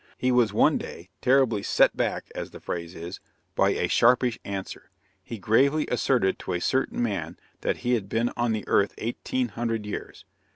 He was one day terribly "set back" as the phrase is, by a sharpish answer. He gravely asserted to a certain man that he had been on the earth eighteen hundred years.